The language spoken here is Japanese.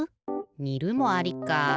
にるもありか。